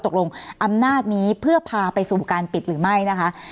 อำนาจนี้เพื่อพาไปสู่การปิดหรือไม่นะคะ